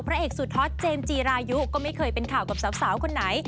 เอกสุดฮอตเจมส์จีรายุก็ไม่เคยเป็นข่าวกับสาวคนไหน